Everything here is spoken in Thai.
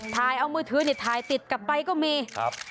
ถ่ายเอามือถือถ่ายติดกลับไปก็มี